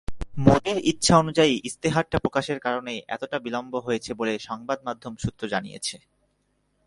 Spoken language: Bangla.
মোদির ইচ্ছা অনুযায়ী ইশতেহারটি প্রকাশের কারণেই এতটা বিলম্ব হয়েছে বলে সংবাদমাধ্যম সূত্র জানিয়েছে।